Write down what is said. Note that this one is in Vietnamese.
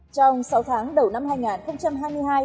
trong sáu tháng đầu năm hai nghìn hai mươi hai